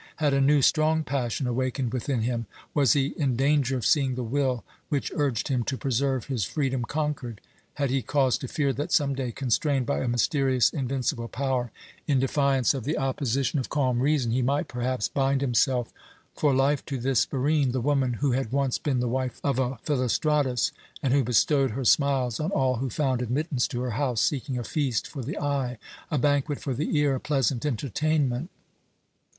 Had a new, strong passion awakened within him? Was he in danger of seeing the will which urged him to preserve his freedom conquered? Had he cause to fear that some day, constrained by a mysterious, invincible power, in defiance of the opposition of calm reason, he might perhaps bind himself for life to this Barine, the woman who had once been the wife of a Philostratus, and who bestowed her smiles on all who found admittance to her house seeking a feast for the eye, a banquet for the ear, a pleasant entertainment?